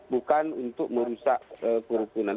bukan untuk merusak perhubungan